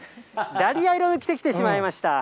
ダリア色を着てきてしまいました。